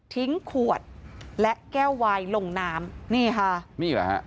ขวดและแก้ววายลงน้ำนี่ค่ะนี่แหละฮะ